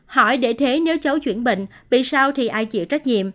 hỏi để thế nếu cháu chuyển bệnh vì sao thì ai chịu trách nhiệm